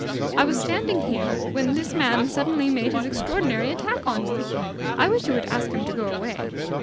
"I was standing here, when this man suddenly made his extraordinary attack on me. I wish you would ask him to go away."